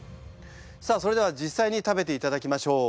さあそれでは実際に食べていただきましょう。